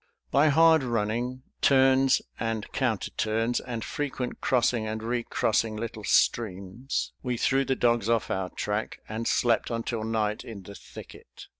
By hard running, turns and counter turns, and frequent crossing and recrossing little streams, we threw the dogs off our track, and slept until night in the thicket.